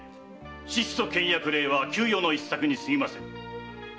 質素倹約令は窮余の一策にすぎませぬ。